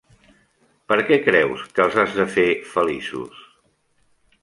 Per què creus que els has de fer feliços?